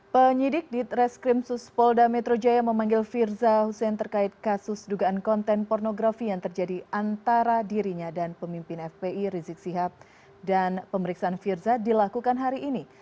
penyidik di treskrim suspolda metro jaya memanggil firza husein terkait kasus dugaan konten pornografi yang terjadi antara dirinya dan pemimpin fpi rizik sihab dan pemeriksaan firza dilakukan hari ini